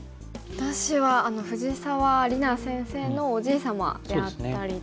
私は藤沢里菜先生のおじい様であったりとか。